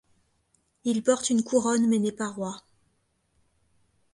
Il porte une couronne mais n'est pas roi.